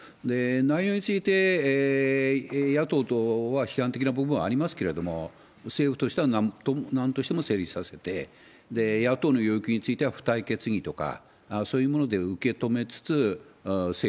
内容について、野党等は批判的な部分はありますけれども、政府としては、なんとしても成立させて、野党の要求については、付帯決議とか、そういうもので受け止めつ